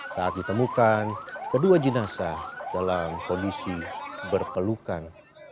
saat ditemukan kedua jenazah dalam kondisi berpelukan